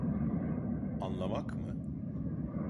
Anlamak mı?